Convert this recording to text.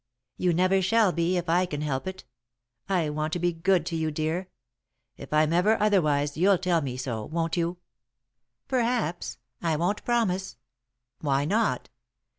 "You never shall be, if I can help it. I want to be good to you, dear. If I'm ever otherwise, you'll tell me so, won't you?" [Sidenote: Always] "Perhaps I won't promise." "Why not?"